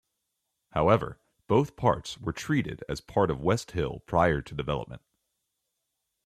However, both parts were treated as part of West Hill prior to development.